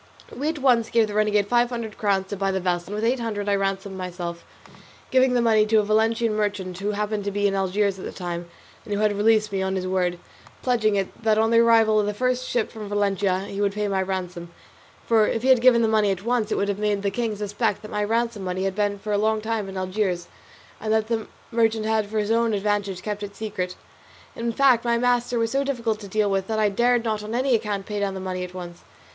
We at once gave the renegade five hundred crowns to buy the vessel, and with eight hundred I ransomed myself, giving the money to a Valencian merchant who happened to be in Algiers at the time, and who had me released on his word, pledging it that on the arrival of the first ship from Valencia he would pay my ransom; for if he had given the money at once it would have made the king suspect that my ransom money had been for a long time in Algiers, and that the merchant had for his own advantage kept it secret. In fact my master was so difficult to deal with that I dared not on any account pay down the money at once.